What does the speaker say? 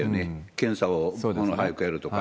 検査を早くやるとか。